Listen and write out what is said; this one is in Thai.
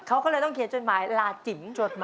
เขาก็เลยต้องเขียนจดหมายลาจิ๋มจดหมาย